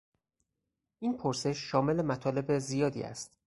این پرسش شامل مطالب زیادی است.